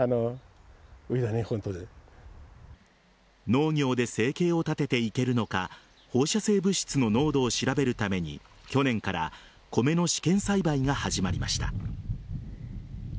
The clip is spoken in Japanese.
農業で生計を立てていけるのか放射性物質の濃度を調べるために去年から米の試験栽培が始まりました。